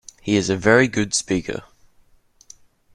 He is a very good speaker.